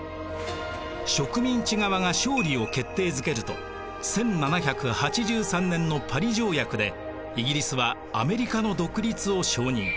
植民地側が勝利を決定づけると１７８３年のパリ条約でイギリスはアメリカの独立を承認。